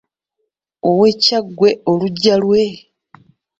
Ow’e Kyaggwe Oluggya lwe?